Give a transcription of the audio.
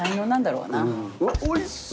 うわおいしそう。